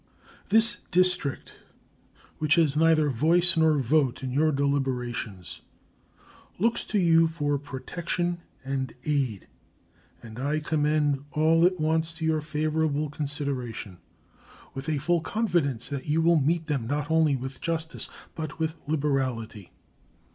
This District, which has neither voice nor vote in your deliberations, looks to you for protection and aid, and I commend all its wants to your favorable consideration, with a full confidence that you will meet them not only with justice, but with liberality.